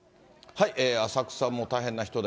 浅草も大変な人出。